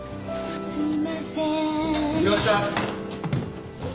すいません。